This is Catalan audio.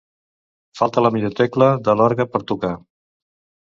Faltar la millor tecla de l'orgue per tocar.